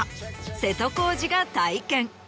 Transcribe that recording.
瀬戸康史が体験。